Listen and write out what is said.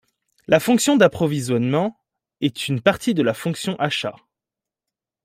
La fonction d'approvisionnement est une partie de la fonction achats.